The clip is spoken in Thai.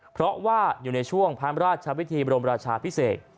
เพราะว่าอยู่ในช่วงพระราชวิธีบรมราชาพิเศษ